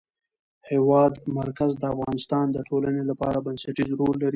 د هېواد مرکز د افغانستان د ټولنې لپاره بنسټيز رول لري.